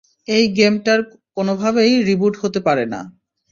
এই গেমটার কোনোভাবেই রিব্যুট হতে পারে না!